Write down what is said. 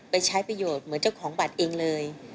ใช้ประโยชน์เหมือนเจ้าของบัตรเองเลย